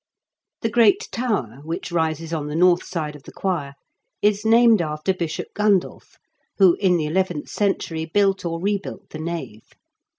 The great tower, which rises on the north side of the choir, is named after Bishop Gun dulph, who, in the eleventh century, built or rebuilt the nave.